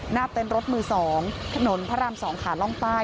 หน้าเต็มรถมือ๒ถนนพระราม๒ขาล่องป้าย